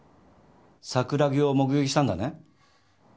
桜木を目撃したんだね？